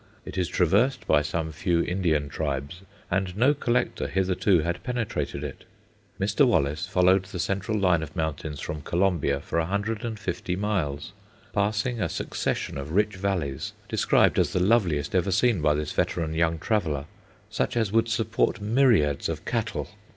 It is traversed by some few Indian tribes, and no collector hitherto had penetrated it. Mr. Wallace followed the central line of mountains from Colombia for a hundred and fifty miles, passing a succession of rich valleys described as the loveliest ever seen by this veteran young traveller, such as would support myriads of cattle.